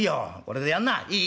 「いい？